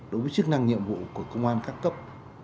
đối với chức năng nhiệm vụ của công an các cấp